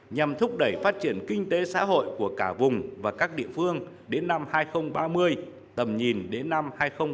nhằm thúc đẩy phát triển kinh tế xã hội của cả vùng và các địa phương đến năm hai nghìn ba mươi tầm nhìn đến năm hai nghìn bốn mươi năm